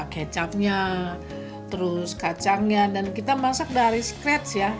kecapnya terus kacangnya dan kita masak dari scratch ya